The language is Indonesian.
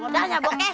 cuma mau ke india